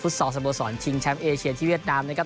ซอลสโมสรชิงแชมป์เอเชียที่เวียดนามนะครับ